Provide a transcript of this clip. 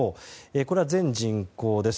これは全人口です。